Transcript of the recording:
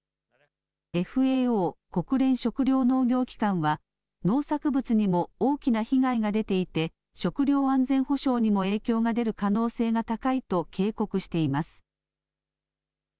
ＦＡＯ・国連食糧農業機関は農作物にも大きな被害が出ていて食料安全保障にも影響が出る可能性が高いと警告しています。